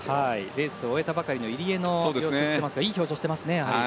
レースを終えたばかりの入江の表情が映っていますがいい表情をしていますね。